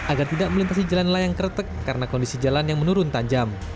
agar tidak melintasi jalan layang kretek karena kondisi jalan yang menurun tajam